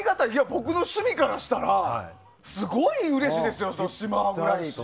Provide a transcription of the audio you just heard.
僕の趣味からしたらすごいうれしいですよ。